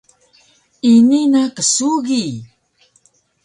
ini na ksugi